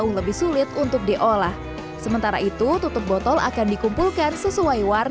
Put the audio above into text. jauh lebih sulit untuk diolah sementara itu tutup botol akan dikumpulkan sesuai warna